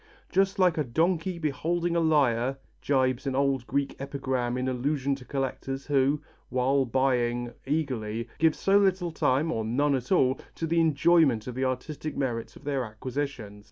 "Just like a donkey beholding a lyre," gibes an old Greek epigram in allusion to collectors who, while buying eagerly, give so little time, or none at all, to the enjoyment of the artistic merits of their acquisitions.